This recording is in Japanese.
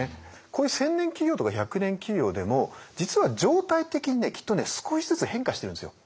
こういう千年企業とか百年企業でも実は常態的にきっとね少しずつ変化してるんですよ。